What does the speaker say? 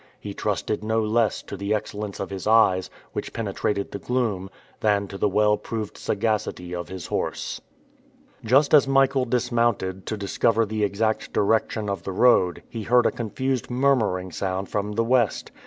He trusted no less to the excellence of his eyes, which penetrated the gloom, than to the well proved sagacity of his horse. Just as Michael dismounted to discover the exact direction of the road, he heard a confused murmuring sound from the west.